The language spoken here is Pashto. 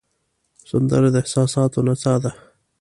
سندره د احساساتو نڅا ده